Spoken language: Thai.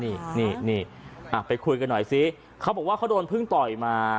นี่นี่ไปคุยกันหน่อยซิเขาบอกว่าเขาโดนพึ่งต่อยมา